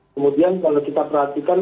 kemudian kalau kita perhatikan